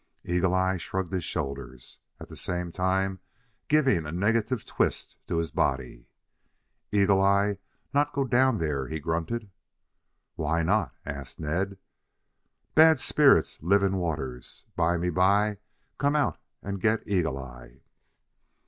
Eagle eye shrugged his shoulders, at the same time giving a negative twist to his body. "Eagle eye not go down there," he grunted. "Why not?" asked Ned. "Bad spirits live in waters. Bymeby come out and get Eagle eye."